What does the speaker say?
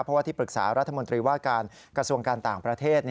เพราะว่าที่ปรึกษารัฐมนตรีว่าการกระทรวงการต่างประเทศ